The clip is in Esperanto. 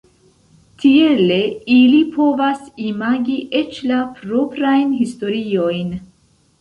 Tiele ili povas imagi eĉ la proprajn historiojn.